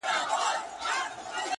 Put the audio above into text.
لمن دي نيسه چي په اوښكو يې در ډكه كړمه-